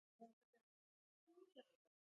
نفت د افغانانو د ژوند طرز اغېزمنوي.